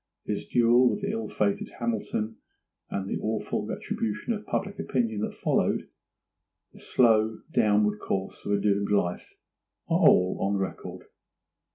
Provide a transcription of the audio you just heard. His duel with the ill fated Hamilton, and the awful retribution of public opinion that followed—the slow downward course of a doomed life, are all on record.